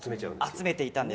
集めていたんです。